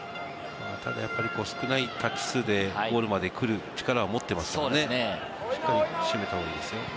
ただ少ないタッチ数でゴールまで来る力を持っていますから、しっかり締めた方がいいですね。